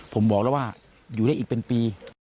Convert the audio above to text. ผมบอกแล้วว่าอยู่ได้อีกเป็นปี